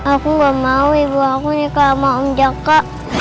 aku gak mau ibu aku nikah sama om jaka